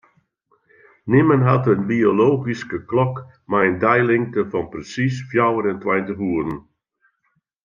Nimmen hat in biologyske klok mei in deilingte fan persiis fjouwerentweintich oeren.